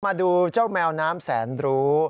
มาดูเจ้าแมวน้ำแสนรู้